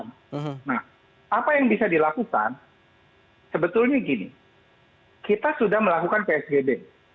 nah apa yang bisa dilakukan sebetulnya gini kita sudah melakukan psbb